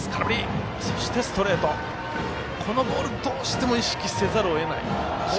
このボールどうしても意識せざるをえない。